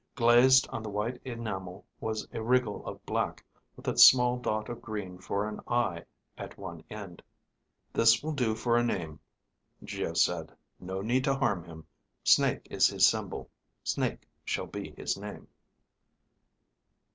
Glazed on the white enamel was a wriggle of black with a small dot of green for an eye at one end. "This will do for a name," Geo said. "No need to harm him. Snake is his symbol; Snake shall be his name."